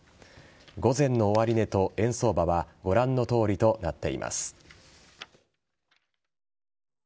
午前の終値と円相場はご覧のとおりとなっています。